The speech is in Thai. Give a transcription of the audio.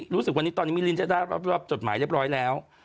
รู้สึกวันนี้มิลลิจะได้รับจดหมายเรียบร้อยแล้ว